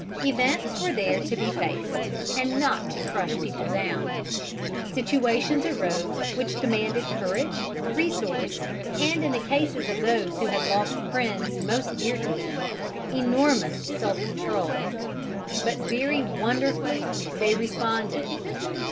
Events were there to be faced, and not to crush people down. Situations arose which demanded courage, resource, and in the cases of those who had lost friends most dear to them, enormous self control; but very wonderfully they responded.